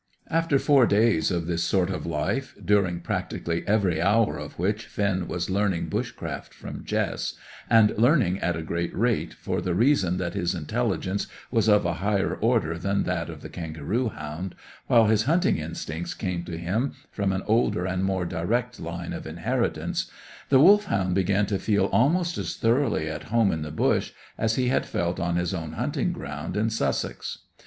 After four days of this sort of life, during practically every hour of which Finn was learning bush craft from Jess, and learning at a great rate for the reason that his intelligence was of a higher order than that of the kangaroo hound, while his hunting instincts came to him from an older and more direct line of inheritance, the Wolfhound began to feel almost as thoroughly at home in the bush as he had felt on his own hunting ground in Sussex.